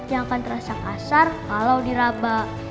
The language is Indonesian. yang akan terasa kasar kalau dirabak